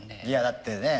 だってね